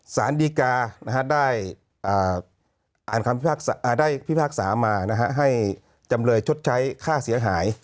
สารดีกาได้พิพากษามาให้จำเลยชดใช้ค่าเสียหาย